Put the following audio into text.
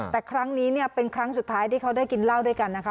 แต่ครั้งนี้เนี่ยเป็นครั้งสุดท้ายที่เขาได้กินเหล้าด้วยกันนะคะ